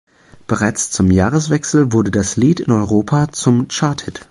Bereits zum Jahreswechsel wurde das Lied in Europa zum Charthit.